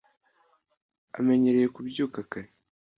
amenyereye kubyuka kare